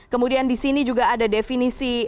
kemudian disini juga ada definisi